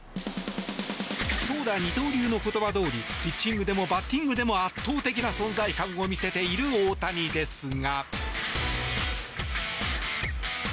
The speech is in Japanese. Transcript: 投打二刀流の言葉どおりピッチングでもバッティングでも圧倒的な存在感を見せている大谷ですが。